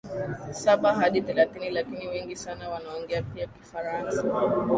saba Hadi thelathini lakini wengi sana wanaongea pia Kifaransa